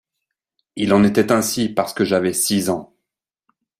Il en était ainsi parce que j'avais six ans.